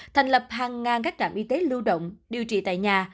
thành lập hàng ngàn các trạm y tế lưu động điều trị tại nhà